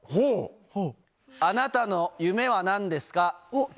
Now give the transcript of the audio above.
あなたの夢はなんですか。